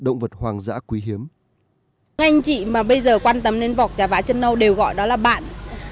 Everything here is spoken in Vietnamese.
những anh chị mà bây giờ quan tâm đến vọc trà vá chân nâu đều gọi đó là bạn